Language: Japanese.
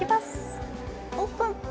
オープン。